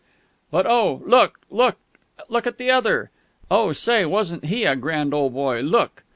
_"But oh, look look look at the other!... Oh, I say, wasn't he a grand old boy! Look!"